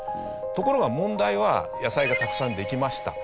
ところが問題は野菜がたくさんできました